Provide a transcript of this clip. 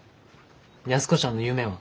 安子ちゃんの夢は？